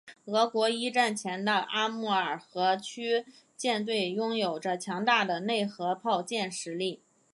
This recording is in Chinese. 俄国一战前的阿穆尔河区舰队拥有着强大的内河炮舰实力。